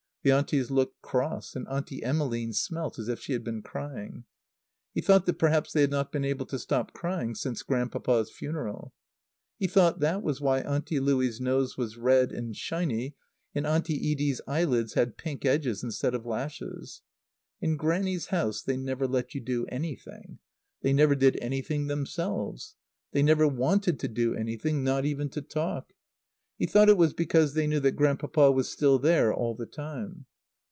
The Aunties looked cross; and Auntie Emmeline smelt as if she had been crying. He thought that perhaps they had not been able to stop crying since Grandpapa's funeral. He thought that was why Auntie Louie's nose was red and shiny and Auntie Edie's eyelids had pink edges instead of lashes. In Grannie's house they never let you do anything. They never did anything themselves. They never wanted to do anything; not even to talk. He thought it was because they knew that Grandpapa was still there all the time.